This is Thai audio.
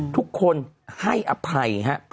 ทุกคนให้อภัยฮะ